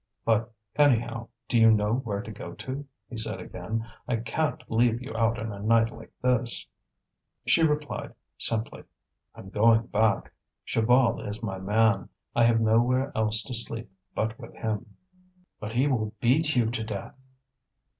"But, anyhow, do you know where to go to?" he said again. "I can't leave you out in a night like this." She replied, simply: "I'm going back. Chaval is my man. I have nowhere else to sleep but with him." "But he will beat you to death."